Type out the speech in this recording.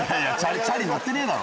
チャリ乗ってねえだろ！